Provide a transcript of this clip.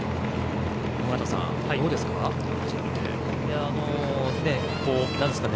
尾方さん、どうですか。